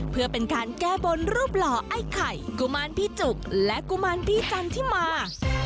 เพื่อเป็นการแก้บนรูปหล่อไอ้ไข่กุมารพี่จุกและกุมารพี่จันทิมา